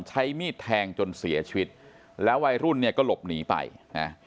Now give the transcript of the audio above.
ใช้มีดแทงจนเสียชีวิตแล้ววัยรุ่นเนี่ยก็หลบหนีไปนะ